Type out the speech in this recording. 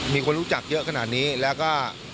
มีคนรู้จักเยอะขนาดนี้แล้วก็